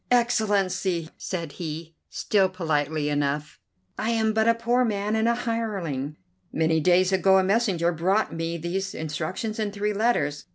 "Excellency!" said he, still politely enough, "I am but a poor man and a hireling. Many days ago a messenger brought me these instructions and three letters.